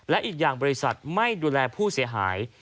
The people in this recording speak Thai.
และอีกอย่างบริษัทไม่ดูแลผู้เสียหาย